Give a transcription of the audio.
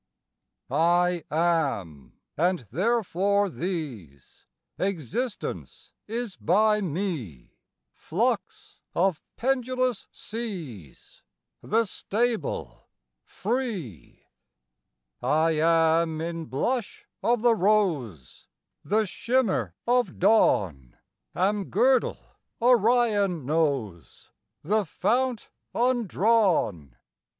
I am, and therefore these, Existence is by me, Flux of pendulous seas, The stable, free. I am in blush of the rose, The shimmer of dawn; Am girdle Orion knows, The fount undrawn.